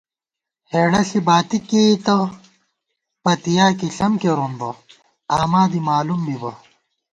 ہېڑہ ݪی باتی کېئیتہ، پتِیا کی ݪم کېرون بہ، آماں دی مالُوم بِبہ